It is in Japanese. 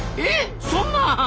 えっそんな！